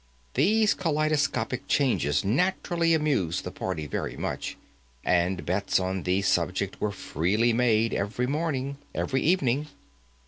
These kaleidoscopic changes naturally amused the party very much, and bets on the subject were freely made every evening.